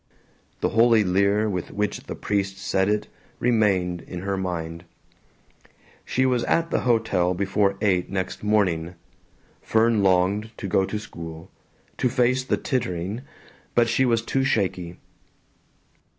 The holy leer with which the priest said it remained in her mind. She was at the hotel before eight next morning. Fern longed to go to school, to face the tittering, but she was too shaky.